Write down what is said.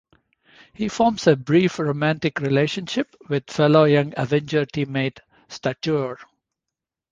He forms a brief romantic relationship with fellow Young Avenger teammate Stature.